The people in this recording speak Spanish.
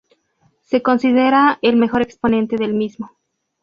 Se considera el mejor exponente del mismo.